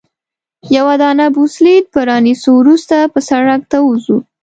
یوه دانه بوبسلیډ به رانیسو، وروسته به سړک ته ووځو.